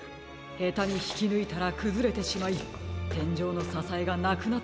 へたにひきぬいたらくずれてしまいてんじょうのささえがなくなってしまうでしょう。